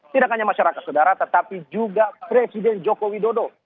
tidak hanya masyarakat saudara tetapi juga presiden joko widodo